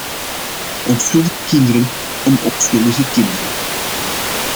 Onschuldige kinderen om onschuldige kinderen.